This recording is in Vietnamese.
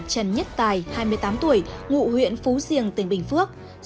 nhân nhất tài hai mươi tám tuổi ngụ huyện phú giềng tỉnh bình phước